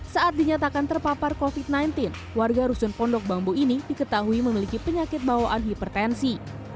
saat dinyatakan terpapar covid sembilan belas warga rusun pondok bambu ini diketahui memiliki penyakit bawaan hipertensi